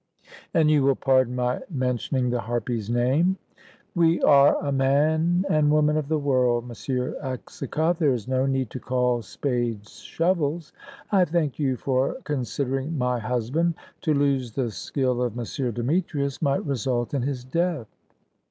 "And you will pardon my mentioning the harpy's name?" "We are a man and woman of the world, M. Aksakoff: there is no need to call spades shovels. I thank you for considering my husband. To lose the skill of M. Demetrius might result in his death."